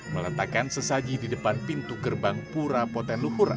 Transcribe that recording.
meletakkan sesaji di depan pintu gerbang pura poten luhur